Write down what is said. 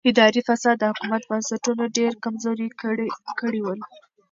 اداري فساد د حکومت بنسټونه ډېر کمزوري کړي ول.